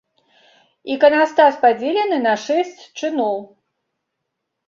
Іканастас падзелены на шэсць чыноў.